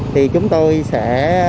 thì chúng tôi sẽ